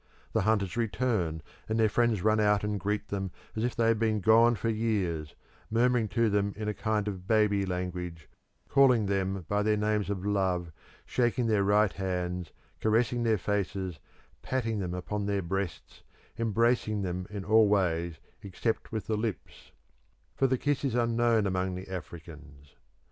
The hunters return, and their friends run out and greet them as if they had been gone for years, murmuring to them in a kind of baby language, calling them by their names of love, shaking their right hands, caressing their faces, patting them upon their breasts, embracing them in all ways except with the lips for the kiss is unknown among the Africans.